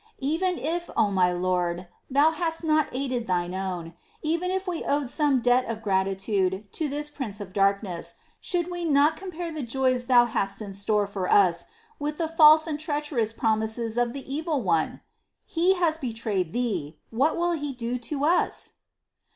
6. Even if, O my Lord, Thou hadst not aided Thine own — even if we owed some debt of gratitude to this prince of darkness, should we not compare the joys Thou hast in store for us with the false and treacherous promises of the evil one ? He has betrayed Thee — what will he do to ws